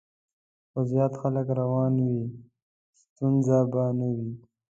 خو زیات خلک روان وي، ستونزه به نه وي.